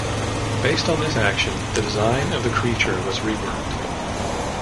Based on this action, the design of the creature was reworked.